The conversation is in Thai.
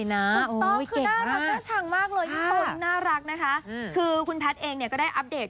โอ๊ยเก่งมากคุณต้องคือน่ารักน่าชังมากเลยคุณต้นน่ารักนะคะคุณแพทย์เองก็ได้อัปเดต